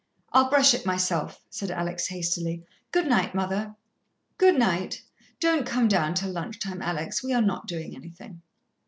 "I'll brush it myself," said Alex hastily. "Good night, mother." "Good night; don't come down till lunch time, Alex we are not doing anything."